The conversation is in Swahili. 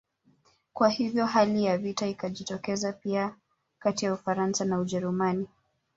Kwa hivyo hali ya vita ikajitokeza pia kati ya Ufaransa na Ujerumani